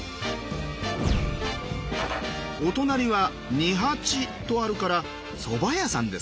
お隣は「二八」とあるからそば屋さんですね。